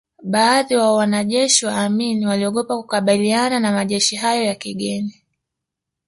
Baadhi wa wanajeshi wa Amin waliogopa kukabiliana na majeshi hayo ya kigeni